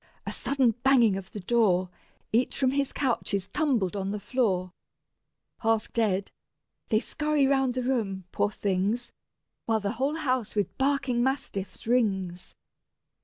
a sudden banging of the door: Each from his couch is tumbled on the floor: Half dead, they scurry round the room, poor things, While the whole house with barking mastiffs rings.